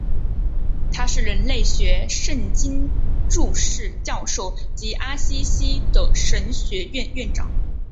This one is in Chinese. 他是人类学圣经注释教授及阿西西的神学院院长。